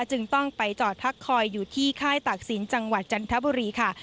จึงต้องไปจอดพักคอยอยู่ที่ค่ายตากศิลป์จังหวัดจันทบุรีค่ะ